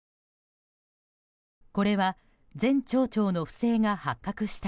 これは前町長の不正が発覚した